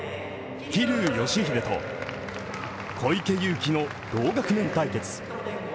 桐生祥秀と小池祐貴の同学年対決。